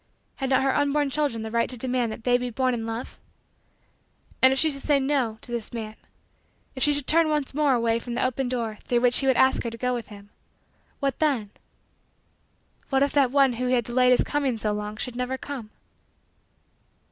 Had not her unborn children the right to demand that they be born in love? And if she should say, "no," to this man if she should turn once more away from the open door, through which he would ask her to go with him what then? What if that one who had delayed his coming so long should never come?